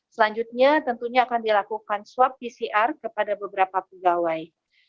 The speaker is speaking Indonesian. selanjutnya tentunya akan dilakukan swab pcr kepada beberapa pegawai